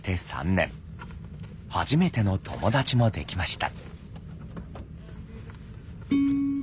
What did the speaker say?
初めての友達もできました。